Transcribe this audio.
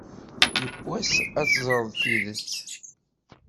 Yiwwas ad teẓreḍ tidet.